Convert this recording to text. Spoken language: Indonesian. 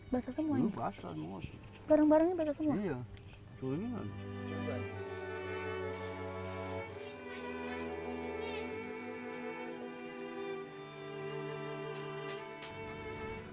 basah semua barang barangnya basah semua ya